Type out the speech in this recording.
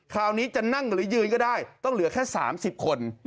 คราวนี้จะนั่งหรือยืนก็ได้ต้องเหลือแค่๓๐คน